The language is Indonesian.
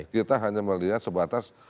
kita hanya melihat sebatas